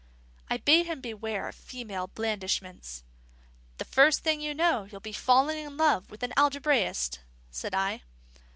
I bade him beware of female blandishments. "The first thing you know, you'll be falling in love with the algebraist," said I.